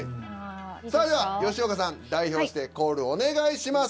さあでは吉岡さん代表してコールお願いします。